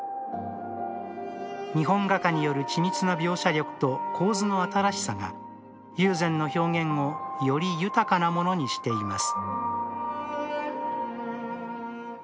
日本画家による緻密な描写力と構図の新しさが友禅の表現をより豊かなものにしています